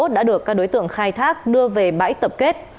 đã được các đối tượng khai thác đưa về bãi tập kết